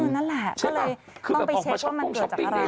นั่นแหละก็เลยต้องไปเช็คว่ามันเกิดจากอะไร